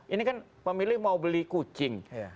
ini kan pemilih mau beli kucing